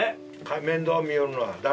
面倒見よるのは誰？